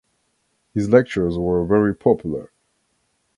His lectures were very popular.